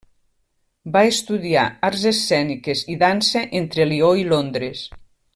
Va estudiar arts escèniques i dansa entre Lió i Londres.